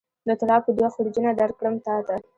د طلا به دوه خورجینه درکړم تاته